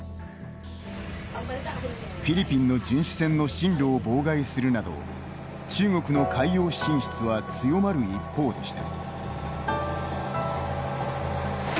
フィリピンの巡視船の進路を妨害するなど中国の海洋進出は強まる一方でした。